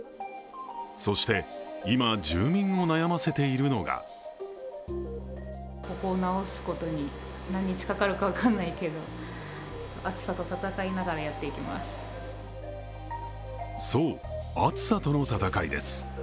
そして、今、住民を悩ませているのがそう、暑さとの闘いです。